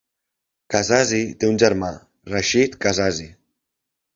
Kazzazi té un germà, Rachid Kazzazi.